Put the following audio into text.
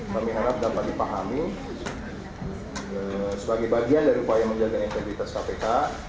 kami harap dapat dipahami sebagai bagian dari upaya menjaga integritas kpk